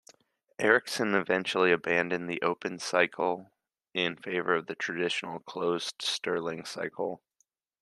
Ericsson eventually abandoned the open cycle in favor of the traditional closed Stirling cycle.